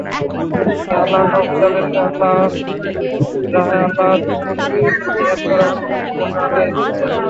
তাই আল্লাহর নবী তাদেরকে আল্লাহর রাহে আল্লাহর দুশমনের বিরুদ্ধে জিহাদ করার জন্যে আদেশ দিচ্ছেন।